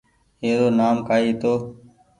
او رو نآم ڪآئي هيتو